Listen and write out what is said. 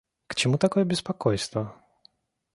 К чему такое беспокойство!